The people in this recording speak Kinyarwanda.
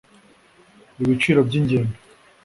ibiciro by’ingendo